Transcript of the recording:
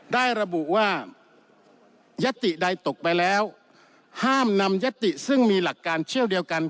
ระบุว่ายัตติใดตกไปแล้วห้ามนำยติซึ่งมีหลักการเชี่ยวเดียวกัน